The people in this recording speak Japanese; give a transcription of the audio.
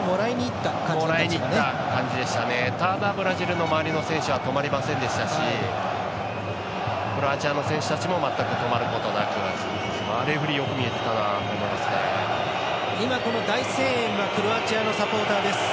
ただ、ブラジルの周りの選手は止まりませんでしたしクロアチアの選手たちも全く止まることなくレフェリーよく見えてたなという感じでしたね。